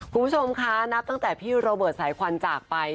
คุณผู้ชมคะนับตั้งแต่พี่โรเบิร์ตสายควันจากไป